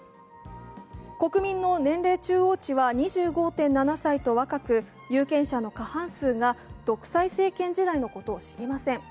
国民の年齢中央値は２５．７歳と若く、有権者の過半数が独裁政権時代のことを知りません。